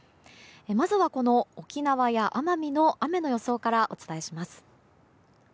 まずは、この沖縄や奄美の雨の予想からお伝えします。